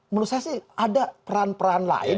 menurut saya sih ada peran peran lain